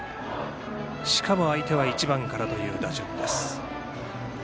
しかも、相手は１番からという打順です。